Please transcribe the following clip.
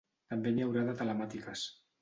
També n’hi haurà de telemàtiques.